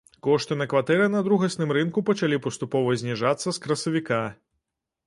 Кошты на кватэры на другасным рынку пачалі паступова зніжацца з красавіка.